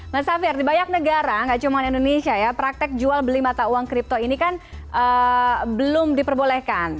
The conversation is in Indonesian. mas safir di banyak negara nggak cuma indonesia ya praktek jual beli mata uang kripto ini kan belum diperbolehkan